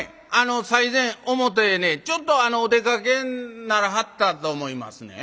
最前表へねちょっとお出かけにならはったと思いますねん。